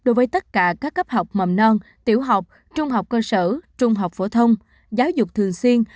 đối với tất cả các cấp học mầm non tiểu học trung học cơ sở trung học phổ thông giáo dục thường xuyên